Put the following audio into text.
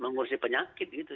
mengurusi penyakit gitu